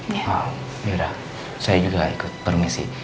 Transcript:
ya udah saya juga ikut permisi